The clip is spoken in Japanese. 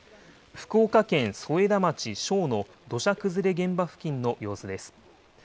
福岡県添田町庄の土砂崩れ現場付近の様子です。